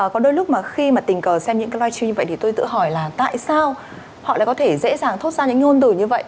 có đôi lúc mà khi mà tình cờ xem những cái live stream như vậy thì tôi tự hỏi là tại sao họ lại có thể dễ dàng thốt ra những ngôn từ như vậy